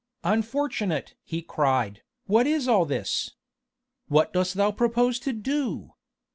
"Unfortunate!" he cried, "what is all this? What dost thou propose to do?